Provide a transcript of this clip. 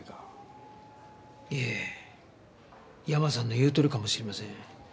いえ山さんの言うとおりかもしれません。